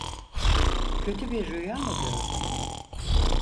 Kötü bir rüya mı gördün?